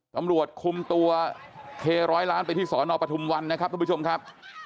ตำรวจคุมตัวเคร้อยล้านไปที่สอนอปทุมวันนะครับทุกผู้ชมครับ